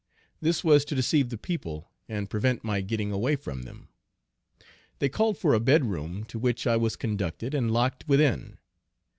This was to deceive the people, and prevent my getting away from them. They called for a bed room to which I was conducted and locked within.